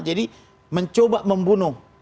jadi mencoba membunuh